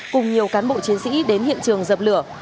cùng nhiều cán bộ chiến sĩ đến hiện trường dập lửa